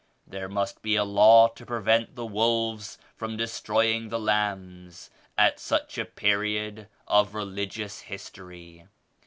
There must be a law to prevent the wolves from des troying the lambs at such a period of religious history.